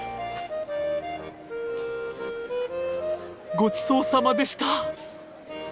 ごちそうさまでした！